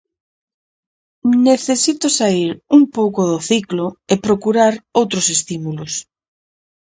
Necesito saír un pouco do ciclo e procurar outros estímulos.